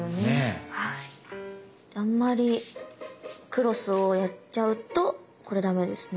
あんまりクロスをやっちゃうとこれダメですね。